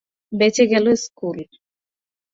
বেঁচে গেল স্কুল।